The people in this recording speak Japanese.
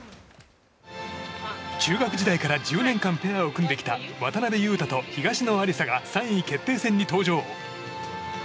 中学時代から１０年間ペアを組んできた渡辺勇大と東野有紗が３位決定戦に登場。